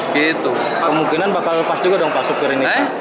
gitu kemungkinan bakal lepas juga dong pak supir ini